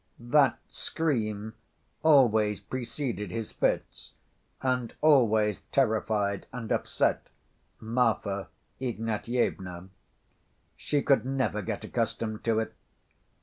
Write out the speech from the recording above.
That scream always preceded his fits, and always terrified and upset Marfa Ignatyevna. She could never get accustomed to it.